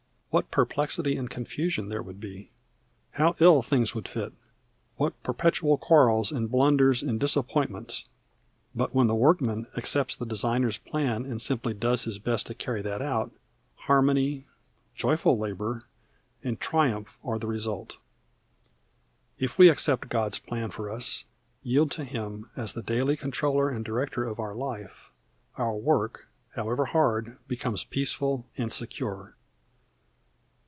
What perplexity and confusion there would be! How ill things would fit! What perpetual quarrels and blunders and disappointments! But when the workman accepts the designer's plan and simply does his best to carry that out, harmony, joyful labour, and triumph are the result. If we accept God's plan for us, yield to Him as the daily controller and director of our life, our work, however hard, becomes peaceful and secure.